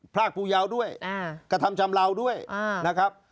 พรากผู้ยาว์ด้วยกระทำชำเลาด้วยนะครับ